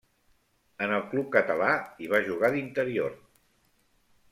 En el club català hi va jugar d'interior.